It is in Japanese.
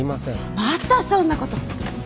またそんなこと。